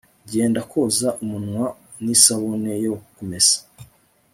genda koza umunwa n'isabune yo kumesa